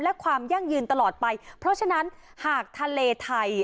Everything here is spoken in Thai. และความยั่งยืนตลอดไปเพราะฉะนั้นหากทะเลไทย